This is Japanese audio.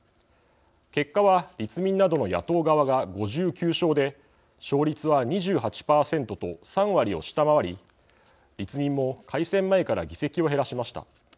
結果は立民などの野党側が５９勝で勝率は２８％と３割を下回り立民も改選前から議席を減らしました。